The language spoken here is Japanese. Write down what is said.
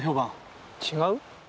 違う？